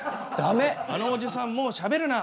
「あのおじさんもうしゃべるな！